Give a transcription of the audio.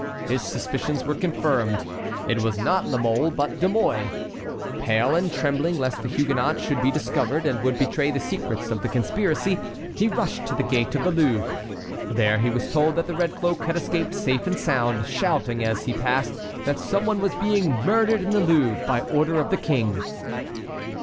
His suspicions were confirmed. It was not La Mole, but De Mouy. Pale and trembling lest the Huguenot should be discovered, and would betray the secrets of the conspiracy, he rushed to the gate of the Louvre. There he was told that the red cloak had escaped safe and sound, shouting out as he passed that some one was being murdered in the Louvre by order of the King.